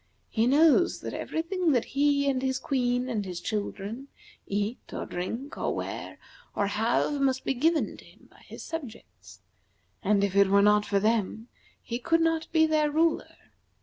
He knows that every thing that he, and his queen, and his children eat, or drink, or wear, or have must be given to him by his subjects, and if it were not for them he could not be their ruler.